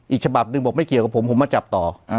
อีกฉบับหนึ่งบอกไม่เกี่ยวกับผมผมมาจับต่อ